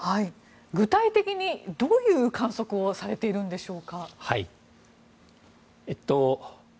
具体的に、どういう観測をされているんでしょうか？